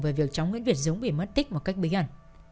về việc cháu nguyễn việt dũng bị mất tích một cách bí ẩn